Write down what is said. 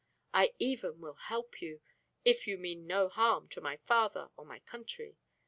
I even will help you if you mean no harm to my father or my country.